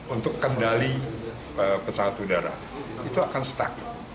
untuk kendali pesawat udara itu akan stuck